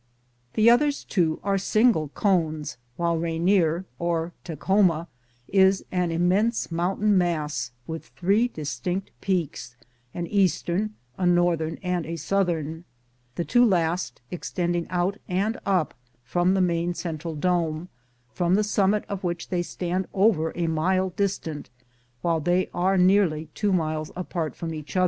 The others, too, are single cones, while Rainier, or Takhoma,^ is an inmiense mountain mass with three distinct peaks, an eastern, a northern, and a southern ; the two last extending out and up from the main cen tral dome, from the summit of which they stand over a mile distant, while they are nearly two miles apart from each other.